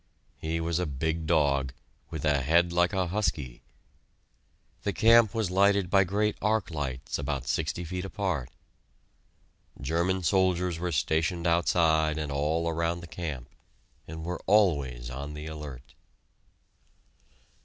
He was a big dog, with a head like a husky! The camp was lighted by great arc lights about sixty feet apart. German soldiers were stationed outside and all around the camp, and were always on the alert.